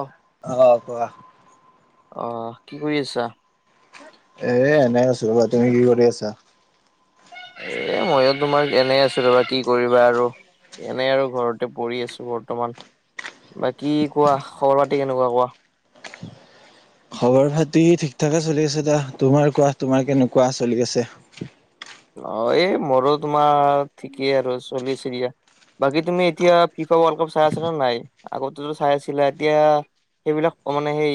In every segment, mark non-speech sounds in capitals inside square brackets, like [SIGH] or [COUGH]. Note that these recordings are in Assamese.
অঁ। অঁ ', কোৱা? অঁ', কি কৰি আছা? এ এনেই আছো ৰবা। তুমি কি কৰি আছা? এ মইও তোমাৰ এনেই আছো ৰবা কি কৰিবা আৰু। এনেই আৰু ঘৰতে পৰি আছো বৰ্তমান। বাকী কোৱা খবৰ-খাতি কেনেকুৱা কোৱা? খবৰ-খাতি ঠিক থাকে চলি আছে দিয়া। তোমাৰ কোৱা তোমাৰ কেনেকুৱা চলি আছে? অ', এই মোৰো তোমাৰ ঠিকেই আৰু চলি আছে দিয়া। বাকী তুমি এতিয়া ফিফ ৱৰ্ল্ড কাপ চাই আছা নে নাই আগতেতো চাই আছিলা। এতিয়া- সেইবিলাক মানে সেই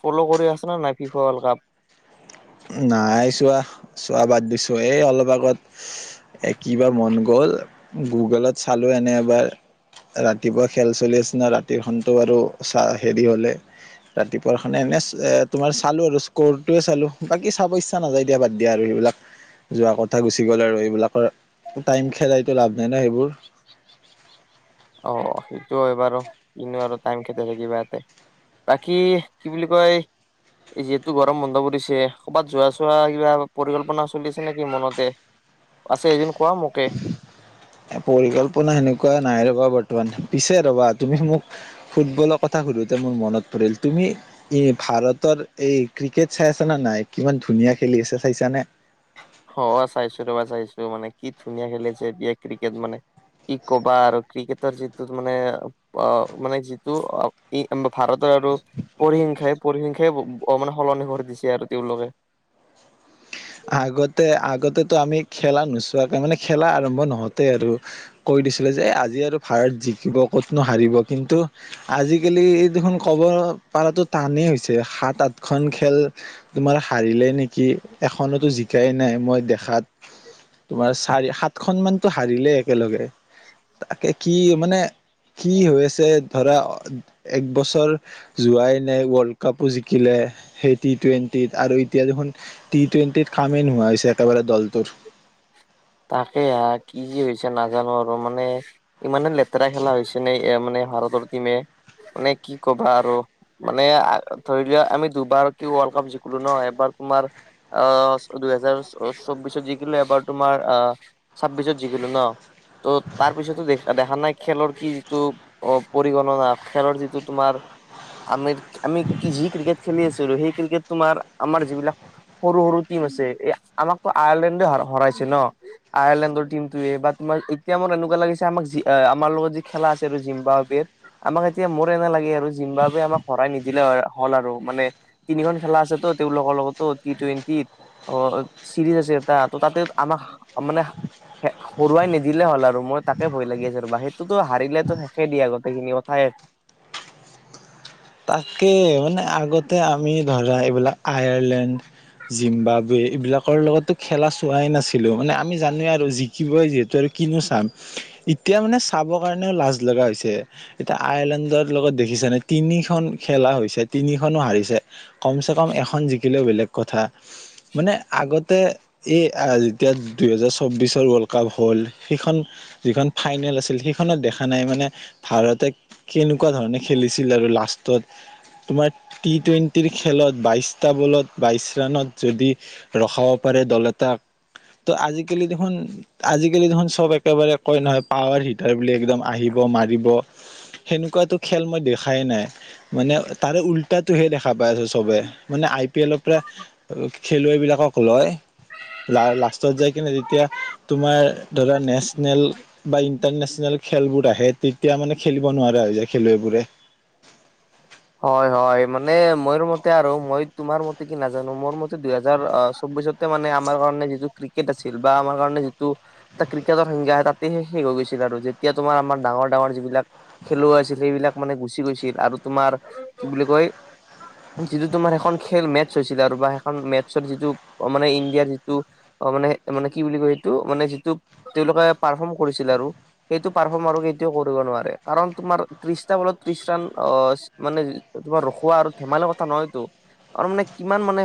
ফ'ল' কৰি আছে নে নাই ফিফ ৱৰ্ল্ড কাপ। নাই চোৱা, চোৱা বাদ দিছো। এই অলপ আগত- কিবা মন গ'ল গুগলত চালো এনেই এবাৰ। ৰাতিপুৱা খেল চলি আছে না, ৰাতিৰ খনতো আৰু চা হেৰি হ'লে- ৰাতিপুৱাখনে এনেই তোমাৰ চালোঁ আৰু ইস্কুল টো চালোঁ। বাকী চাব ইচ্ছা নাযায় আৰু দিয়া বাদ দিয়া আৰু সেইবিলাক। যোৱা কথা গুচি গ'ল আৰু এইবিলাকৰ টাইম খেলাইতো লাভ নাই ন সেইবোৰ। অঁ', সেইটো হয় বাৰু, এনেও আৰু টাইম কেইটা থাকিব ইয়াতে। বাকী কি বুলি কয়- এই যিহেতু গৰম বন্ধ পৰিছে, কৰ'বাত যোৱা-চোৱা কিবা পৰিকল্পনা চলিছে নেকি মনতে? আছে এজন কোৱা মোকে। পৰিকল্পনা সেনেকুৱা নাই ৰবা বৰ্তমান, পিছে ৰবা তুমি মোক ফুটবলৰ কথা সুধোতে মোৰ মনত পৰিল, তুমি ই ভাৰতৰ এই ক্ৰিকেট চাই আছে নে নাই কিমান ধুনীয়া খেলি আছে চাইছানে? অ', চাইছো ৰবা চাইছো মানে কি ধুনীয়া খেলিছে এয়া ক্ৰিকেট মানে। ই ক'ব আৰু ক্ৰিকেটৰ যিটো মানে আঁহ মানে যিটো অঁ ভাৰতৰ আৰু পৰিসংখ্যাই পৰিসংখ্যাই মানে সলনি কৰি দিছে আৰু তেওঁলোকে। আগতে আগতেটো আমি খেলা নোচোৱাকৈ মানে খেলা আৰম্ভ নহওতেই আৰু। কৈ দিছিলে যে আজি আৰু ভাৰত জিকিব ক'তনো হাৰিব। কিন্তু আজিকালি দেখোন ক'ব পাৰাতো টানেই হৈছে, সাত আঠখন খেল তোমাৰ হাৰিলে নেকি এখনতো জিকাই নাই, মই দেখাত তোমাৰ চাৰি সাতখন মানটো হাৰিলে একেলগে, তাকে কি মানে কি হৈ আছে ধৰা এক বছৰ যোৱাই নাই ৱৰ্ল্ডকাপো জিকিলে, সেই টি টুৱেণ্টিত আৰু এতিয়া দেখোন টি টুৱেণ্টিত কামেই নোহোৱা হৈ গৈছে একেবাৰে দলটোৰ। তাকে অ কি কি হৈছে নাজানো আৰু মানে। ইমানে লেতেৰা খেলা হৈছে নে, মানে ভাৰতৰ টিমে মানে কি কবা আৰু মানে ধৰি লোৱা আমি দুবাৰ কি ৱৰ্ল্ড কাপ জিকিলো ন এবাৰ তোমাৰ। অঁ, দুইহেজাৰ চৌবিশত জিকিলো এবাৰ তোমাৰ অ ছাব্বিশত যিকিলো ন। ত' তাৰ পিছতো দে দেখা নাই খেলৰ কি যিটো। অ পৰিগণনা খেলৰ যিটো তোমাৰ। আমি আমি কি যি ক্ৰিকেট খেলি আছিলো, সেই ক্ৰিকেট তোমাৰ আমাৰ যিবিলাক সৰু সৰু টিম আছে, এই আমাকতো আয়াৰলেণ্ডে হৰাইছে ন। আয়াৰলেণ্ডৰ টিমটোৱে বাত তোমাৰ এতিয়া মোৰ এনেকুৱা লাগিছে আমাক আঁ আমাৰ লগত যি খেলা আছে আৰু জিমবাবেৰ। আমাক এতিয়া মোৰ এনে লাগে আৰু জিমাবাবে আমাক হৰাই নিদিলে হ'ল আৰু মানে। তিনিখন খেলা আছে তো তেওঁলোকৰ লগতো টি টুৱেণ্টিত অ চিৰিজ আছে এটা, ত তাতে আমাক মানে [INAUDIBLE] হৰুোৱাই নিদিলে হ'ল আৰু মই তাকে ভয় লাগি আছে ৰবা, সেইটোতো হাৰিলেতো শেষে দিয়া। গোটেই খিনি কথাই তাকে, মানে আগতে আমি ধৰা এইবিলাক আয়াৰলেণ্ড জিম্বাবৱেৰ এইবিলাকৰ লগতো খেলা চোৱাই নাছিলো মানে আমি জানোৱে আৰু জিকিবই যিহেতু আৰু কিনো চাম। এতিয়া মানে চাবৰ কাৰণেও লাজ লগা হৈছে। এতিয়া আয়াৰলেণ্ডৰ লগত দেখিছা নে তিনি খন খেলা হৈছে তিনিখনো হাৰিছে কম চে কম এখন জিকিলেও বেলেগ কথা। মানে আগতে এ যেতিয়া দুইহেজাৰ চৌবিশৰ ৱৰ্ল্ড কাপ হ'ল, সেইখন যিখন ফাইনেল আছিল, সেইখনত দেখা নাই মানে ভাৰতে কেনেকুৱা ধৰণে খেলিছিল আৰু লাষ্ট ত' তোমাৰ টি টুৱেণ্টিৰ খেলত, বাইশটা বলত বাইশ ৰাণত যদি ৰখাব পাৰে দল এটাক, ত' আজিকালি দেখোন আজিকালি দেখোন চব একেবাৰে কয় নহয় পাৱাৰ হিটাৰ বুলি একদম আহিব মাৰিব। সেনেকুৱাটো খেল মই দেখাই নাই। মানে তাৰে উল্টাটোহে দেখা পাই আছোঁ চবে, মানে আই পি এলৰ পৰা খেলুৱৈ বিলাকক লয়, লা লাষ্টত যাই কিনে তেতিয়া তোমাৰ ধৰি লোৱা নেচনেল বা ইণ্টাৰনেচনেল খেলবোৰ আহে, তেতিয়া মানে খেলিব নোৱাৰা হৈ যায় খেলুৱৈবোৰে। হয় হয়, মানে মোৰ মতে আৰু মই তোমাৰ মতে কি নাজানো, মোৰ মতে দুইহেজাৰ চৌবিশত মানে আমাৰ কাৰণে যিটো ক্ৰিকেট আছিল বা আমাৰ কাৰণে যিটো এটা ক্ৰিকেটৰ সংজ্ঞা তাতেই শেষ হৈ গৈছিল আৰু যেতিয়া তোমাৰ আমাৰ ডাঙৰ ডাঙৰ যিবিলাক খেলুৱৈ আছিল, সেইবিলাক মানে গুচি গৈছিল আৰু তোমাৰ কি বুলি কয় যিটো তোমাৰ এখন খেল মেটছ হৈছিল আৰু বা সেইখন মেটছৰ যিটো মানে ইণ্ডিয়াৰ যিটো অ মানে, মানে কি বুলি কয় সেইটো, মানে যিটো তেওঁলোকে পাৰফৰ্ম কৰিছিলে আৰু সেইটো পাৰফৰ্ম আৰু কেতিয়াও কৰিব নোৱাৰে, কাৰণ তোমাৰ ত্ৰিশটা বলত ত্ৰিশ ৰান অ মানে তোমাৰ ৰখোৱা আৰু ধেমালি কথা নহয়তো আৰু মানে কিমান মানে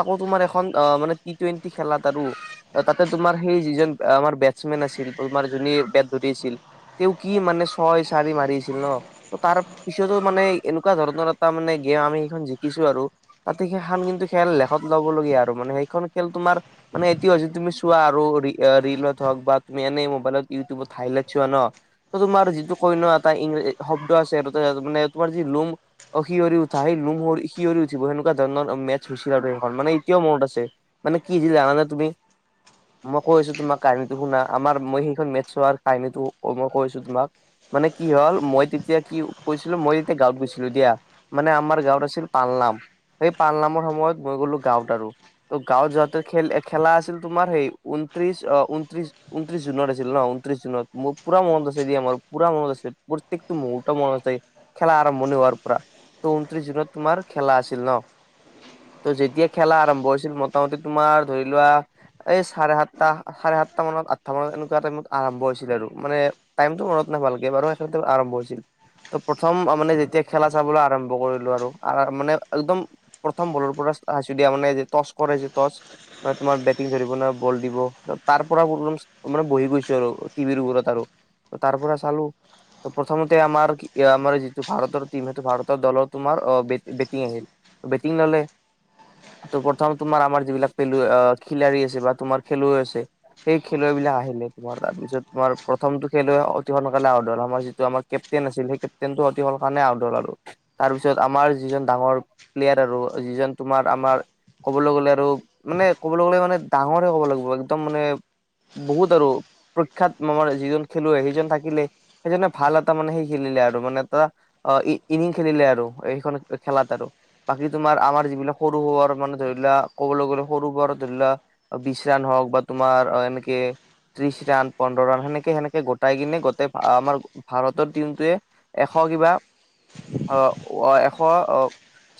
আকৌ তোমাৰ এখন মানে টি টুৱেণ্টি খেলাত আৰু তাতে তোমাৰ সেই যিজন আমাৰ বেটচমেন আছিল তোমাৰ যোনে বেট ধৰি আছিল তেওঁ কি মানে ছয় চাৰি মাৰিছিল ন, ত' তাৰ পিছতো মানে এনেকোৱা ধৰণৰ এটা মানে গেম আমি সেইখন জিকিছো আৰু তাতে সেইখন কিন্তু খেল লেখত ল'বলগীয়া আৰু মানে সেইখন খেল তোমাৰ মানে এতিয়াও যদি তুমি চোৱা আৰু ৰিলত হওক বা তুমি এনেই মোবাইলত ইউটিউবত হাইলাইট চোৱা ন ত', তোমাৰ যিটো কয় ন, এটা ইং-শব্দ আছে সেইটো মানে তোমাৰ যি নোম অ সিঁয়ৰি উঠা, সেই নোম সিঁয়ৰি উঠিব সেনেকোৱা ধৰণৰ মেচ হৈছিল আৰু সেইখন, মানে এতিয়াও মনত আছে। মানে কি হৈছিল জানানে তুমি? মই কৈ আছো তোমাক কাহিনীটো শুনা, আমাৰ মই সেইখন মেটচ হোৱাৰ কাহিনীটো মই কৈছো তোমাক মানে কি হ'ল, মই তেতিয়া কি কৈছিলো মই তে গাঁৱত গৈছিলো দিয়া, মানে আমাৰ গাঁৱত আছিল পালনাম সেই পালনামৰ সময়ত মই গ'লো গাঁৱত আৰু ত' গাঁৱত যোৱাতে খেল খেলা আছিল তোমাৰ সেই ঊনত্ৰিশ অ' ঊনত্ৰিশ ঊনত্ৰিছ জুনত আছিল ন ঊনত্ৰিছ জুনত, মোৰ পুৰা মনত আছে দিয়া মোৰ পুৰা মনত আছে প্ৰত্যেকটো মুহূৰ্ত মনত আছে। খেলা আৰম্ভণি হোৱাৰ পৰা, ত ঊনত্ৰিছ জুনত তোমাৰ খেলা আছিল ন ত' যেতিয়া খেলা আৰম্ভ হৈছিল, মোটামুটি তোমাৰ ধৰি লোৱা এই চাৰে সাতটা চাৰে সাতটা মানত আঠটা মানত এনেকোৱা টাইমত আৰম্ভ হৈছিলে আৰু মানে টাইমটো মনত নাই ভালকে বাৰু, সেইখন খেল আৰম্ভ হৈছিল ত' প্ৰথম মানে যেতিয়া খেলা চাবলৈ আৰম্ভ কৰিলো আৰু মানে একদম প্ৰথম বলৰ পৰা আছো দিয়া মানে যে টচ কৰে যে টচ ন তোমাৰ বেটিং ধৰিব ন বল দিব তাৰ পৰা প্ৰব্লেমচ মানে বহি গৈছো আৰু টিভিৰ ওচৰত আৰু তাৰ পৰা চালো ত' প্ৰথমতে আমাৰ এতিয়া আমাৰ যিটো ভাৰতৰ টিম সেইটো ভাৰতৰ দলৰ তোমাৰ বেটিং আহিল। বেটিং ল'লে ত' প্ৰথম তোমাৰ আমাৰ যিবিলাক পেলুৱৈ অ খিলাৰি আছে বা তোমাৰ খেলুৱৈ আছে সেই খেলুৱৈ বিলাক আহিলে তোমাৰ তাৰপিছত তোমাৰ প্ৰথমটো খেলুৱৈ অতি সোনকালে আউট হ'ল আমাৰ যিটো আমাৰ কে প্তেইন আছিল, সেই কেপ্তেইনটো অতি হ'ল কাৰণে আউট হ'ল আৰু। তাৰপিছত আমাৰ যিজন ডাঙৰ প্লেয়াৰ আৰু যিজন তোমাৰ আমাৰ ক'বলৈ গ'লে আৰু মানে ক'বলৈ গ'লে মানে ডাঙৰ হে ক'ব লাগিব একদম মানে বহুত আৰু প্ৰখ্যাত আমাৰ যিজন খেলুৱৈ সেইজন থাকিলে সেইজনে ভাল এটা মানে সেই খেলিলে আৰু আৰু মানে এটা অ ইনিং খেলিলে আৰু এইখন খেলাত আৰু বাকী তোমাৰ আমাৰ যিবিলাক সৰু হৰ মানে ধৰি লোৱা ক'বলৈ গ'লে সৰু বৰ ধৰি লোৱা বিশ ৰান হওক বা তোমাৰ অ এনেকে ত্ৰিশ ৰাণ পোন্ধৰ ৰাণ সেনেকে সেনেকে গোটাই কিনে গোটেই আমাৰ ভাৰতৰ টিমটোৱে এশ কিবা অহ অ এশ অ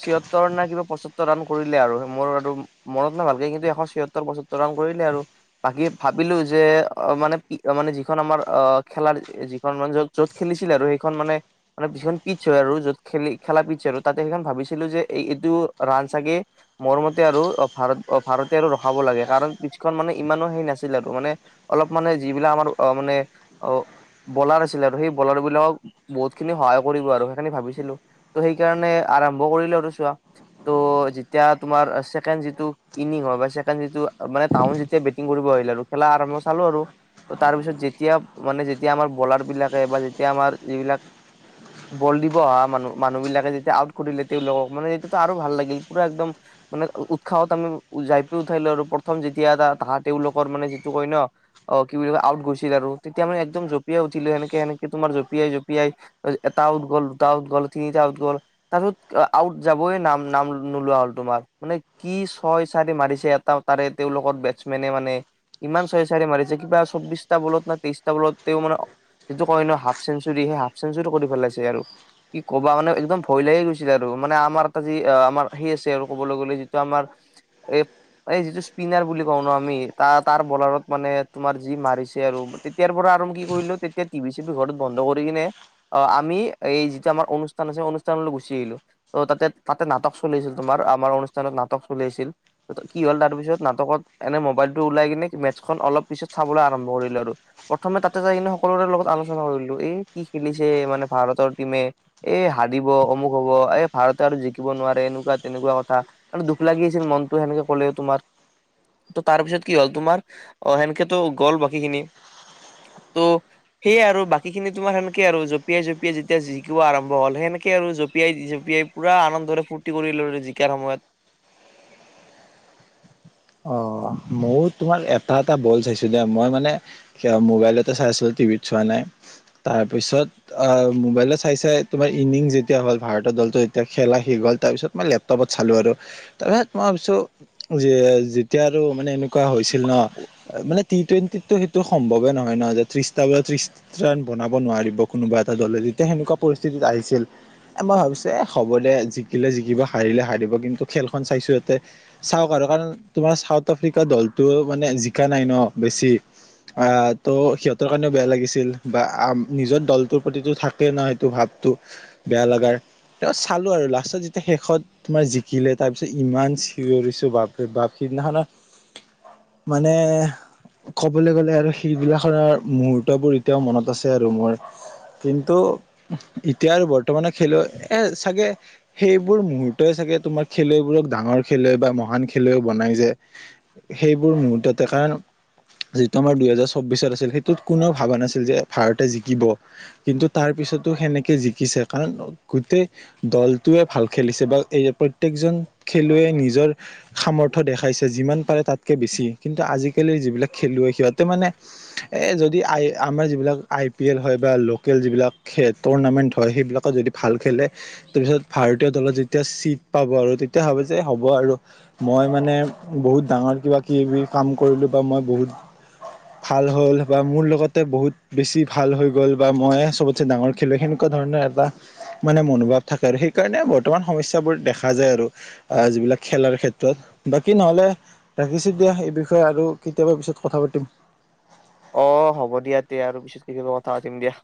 ছিয়সত্তৰ না কিবা পয়সত্তৰ ৰান কৰিলে আৰু মোৰ আৰু মনত নাই ভালকে, কিন্তু এশ ছিসত্তৰ পয়সত্তৰ ৰান কৰিলে আৰু। বাকী ভাবিলো যে অ মানে-মানে যিখন আমাৰ অ খেলাৰ যিখন মানে য'ত য'ত খেলিছিলে আৰু সেইখন মানে মানে যিখন পিটছ হয় আৰু, য'ত খেলি-খেলা পিটছ হয় আৰু, তাতে সেইখন ভাবিছিলো যে, এই এইটো ৰাণ চাগে মোৰ মতে আৰু অ' ভাৰত-অ' ভাৰতে আৰু ৰখাব লাগে, কাৰণ পিছখন মানে ইমানো সেই নাছিল আৰু মানে অলপ মানে যিবিলাক আমাৰ অ মানে অ বলাৰ আছিলে আৰু সেই বলাৰ বিলাকক বহুত খিনি সহায় কৰিব আৰু সেইখিনি ভাবিছিলো ত' সেইকাৰণে আৰম্ভ কৰিলো আৰু চোৱা [UNINTELLIGIBLE] ইনিং হয় বাছে কানে টো মানে টাওন যেতিয়া বেটিং কৰিব আহিল আৰু খেলা আৰম্ভ চালো আৰু তাৰ পিছত যেতিয়া মানে যেতিয়া আমাৰ বলাৰ বিলাকে বা যেতিয়া আমাৰ যিবিলাক বল দিব অহা মানুহ মানুহ বিলাকে যেতিয়া আউট কৰিলে তেওঁলোকক মানে যেতিাতো আৰু ভাল লাগিল পুৰা একদম মানে উৎসাহত আমি জাই পি উঠাই লো আৰু প্ৰথম যেতিয়া তাহ তেওঁলোকৰ মানে যিটো কয় ন অ কি বুলি ক আউট গৈছিল আৰু তেয়ানে একদম জঁপিয়াইঠিলো সনেকে সেনেকে তোম জপিয়াই জপি পাই এটা আউট গ'ল দুটা আউ গ'ল তিনিটাউট গ'ল তাৰপিত আউট যাবই নাম নাম নোলোৱা হল তোমাৰ মানে কি ছয় চাৰি মাৰিছে এটা তাৰে তেওঁলোকৰ বেটছমেনে মানে ইমান ছয় চাৰে মাৰিছে কিবা চৌবিশটা বলত ন তেইশটা বলত তেওঁ মানে যিটো কয় ন হাফ চেী যদি সেই হাফ চেঞ্চী কৰি ভাল লাইছে আৰু কি ক'বা মানে একদম ভয় লাগে গৈছিলে আৰু মানে আমাৰ এটা যি আমাৰ সেই আছে আৰু কবলৈ গ'লে যিটো আমাৰ এই এই যিটো স্পিনাৰ বুলি কওঁ ন আমি তাৰ তাৰ বলাৰত মানে তোমাৰ যি মাৰিছে আৰু তেতিয়াৰ পৰা আৰু কি কৰিলো তেতিয়া টিভি চিভি ঘৰত বন্ধ কৰি কিনে অ আমি এই যিটো আমাৰ অনুষ্ঠান আছে অনুষ্ঠানলৈ গুচি আহিলো ত' তাতে তাতে নাটক চলি আছিল তোমাৰ আমাৰ অনুষ্ঠানত নাটক চলি আছিল ত কি হ'ল তাৰ পিছত নাটকত এনে মোবাইলতটো ওলাই কিনে মেথছখন অলপ পিছত চাবলৈ আৰম্ভ কৰিলো আৰু প্ৰথমে তাতে যাই কিন্তু সকলোৰে লগত আলোচনা কৰিলো এ কি খেলিছে মানে ভাৰতৰ টিমে এ হাৰিব অমুক হব এ ভাৰতে আৰু জিকিব নোৱাৰে এনেকুৱা তেনেকুৱা কথা আৰুা দুখ লাগি আছিল মনটো সেনেকে ক'লে তোমাৰ ত তাৰ পিছত কি হ'ল তোমাৰ অ সেনকেতো গ'ল বাকী খিনি তো সেইয়ে আৰু বাকী সেইখিনি তোমাৰ সেনেকৈ আৰু জঁপিয়াই জপিয়াই যেতিয়া জিকিব আৰম্ভ হ'ল সেনেকৈ আৰু জপিয়াই জঁপিয়াই পূৰা আনন্দ ধৰে ফূৰ্তি কৰি লৈৰে জিকাৰ সময়ত অ মও তোমাৰ এটা এটা বল চাইছো দে মই মানে সেয়া মোবাইলতে চাই আছিলো টিভিত চোৱা নাই তাৰ পিছত অ মোবাইলত চাই চাই তোমাৰ ইনিং যেতিয়া হ'ল ভাৰতৰ দলটো যেতিয়া খেলা শি গ'ল তাৰপিছত মই ল তপত চালোঁ আৰু তাৰে মই ভাবিছোঁ যে যেতিয়া আৰু মানে এনেকুৱা হৈছিল ন মানে টি টুৱেণ্টি টো সেইটো সম্ভৱে নহয় নহয় যে ত্ৰিশটা বা ত্ৰিশ বনাব নোৱাৰিব কোনোবা এটা দলে যেতিয়া সেনেকুৱা পৰিস্থিতিত আহিছিল মই ভাবিছে হ'ব দে জিকিলে জিকিব হাৰিলে হাৰিব কিন্তু খেলখন চাইছো ইয়াতে চাওক আৰু কাৰণ তোমাৰ চাউথ আফ্ৰিকাৰ দলটো মানে জিকা নাই ন বেছি আহ ত' সিহঁতৰ কাৰণেও বেয়া লাগিছিল বা আ নিজৰ দলটোৰ প্ৰতিটো থাক স ন সেইটো ভাৱটো বেয়া লগাৰ তাৰ চালো আৰু লাষ্টত যেতিয়া শেষত তোমাৰ জিকিলে তাৰ পিছত ইমান চিঞৰিছো বাপৰে বাপ সিদিনাখন মানে ক'বলৈ গ'লে আৰু সেই বিলাকৰ মুহুৰ্তবোৰ এতিয়াও মনত আছে আৰু মোৰ কিন্তু এতিয়া আৰু বৰ্তমানে খেলুৱ এ চাগে সেইবোৰ মুহুৰ্তই চাগে তোমাৰ খেলুৱৈবোৰক ডাঙৰ খেলুৱৈ বা মহান খেলুৱৈ বনাই যে। সেইবোৰ মুহূৰ্ততে কাৰণ- যিটো আমাৰ দুহেজাৰ চৌবিশত আছিল, সেইটোত কোনেও ভাবা নাছিল যে ভাৰতে জিকিব। কিন্তু তাৰ পিছতো সেনেকে জিকিছে। কাৰণ গোটেই- দলটোৱে ভাল খেলিছে বা এই প্ৰত্যেকজন খেলুৱৈ- নিজৰ সামথ অ দেখাইছে যিমান পাৰে তাতকে বেছি। কিন্তু আজিকালি যিবিলাক খেলুৱৈ সিহঁতে মানে- এই যদি আই আমাৰ যিবিলাক আই পি এল হয় বা লোকেল যিবিলাক- খে টুৰ্ণামেন্ট হয়, সেইবিলাকত যদি ভাল খেলে- তাৰপিছত ভাৰতীয় দলত যেতিয়া ছিট পাব আৰু তেতিয়া ভাবে যে হ'ব আৰু মই- মানে বহুত ডাঙৰ কিবা কি কাম কৰিলো বা মই বহুত- ভাল হ'ল বা মোৰ লগতে বহুত বেছি ভাল হৈ গ'ল বা মই চবতে ডাঙৰ খেলোঁ সেনেকুৱা ধৰণৰ এটা- মানে মনোভাৱ থাকে আৰু সেইকাৰণে বৰ্তমান সমস্যাবোৰ দেখা যায় আৰু। আহ যিবিলাক খেলাৰ ক্ষেত্ৰত- বাকী নহলে ৰাখিছো দিয়া। এই বিষয়ে আৰু কেতিয়াবা পিছত কথা পাতিম। অঁ হ'ব দিয়া তে আৰু পিছত কি কিবি কথা পাতিম দিয়া।